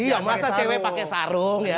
iya masa cewek pakai sarung ya